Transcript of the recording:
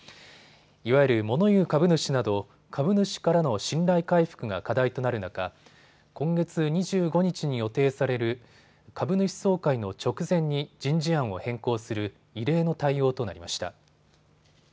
いわゆるモノ言う株主など株主からの信頼回復が課題となる中、今月２５日に予定される株主総会の直前に人事案を変更する異例の対応となりました。